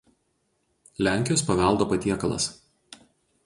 Lenkijos paveldo patiekalas.